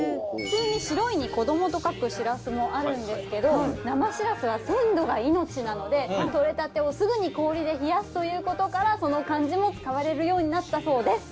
「白い」に「子供」と書くしらすもあるんですけど生しらすは鮮度が命なので取れたてをすぐに氷で冷やすということからその漢字も使われるようになったそうです。